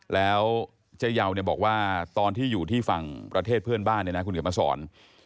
แล้วเจ๊ยาวบอกว่าตอนที่อยู่ที่ฝั่งประเทศเพื่อนบ้านคุณกลับมาสอน